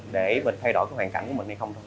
để mình thay đổi cái hoàn cảnh của mình hay không thôi